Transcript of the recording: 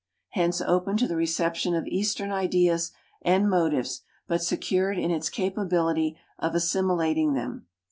Hence open to the reception of eastern ideas and motives, but secured in its capability of assimilating them.